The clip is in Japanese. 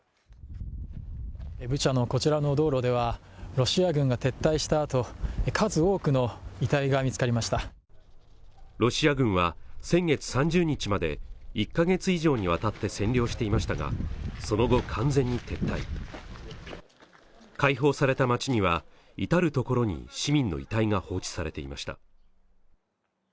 ブチャのこちらの道路ではロシア軍が撤退したあと数多くの遺体が見つかりましたロシア軍は先月３０日まで１か月以上にわたって占領していましたがその後完全に撤退解放された町には至る所に市民の遺体が放置されていました